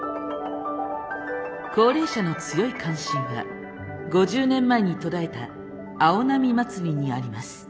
高齢者の強い関心は５０年前に途絶えた青波祭りにあります。